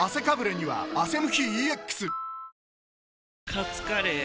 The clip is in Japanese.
カツカレー？